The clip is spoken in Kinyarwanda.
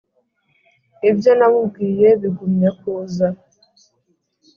ibyo namubwiye bigumya kuza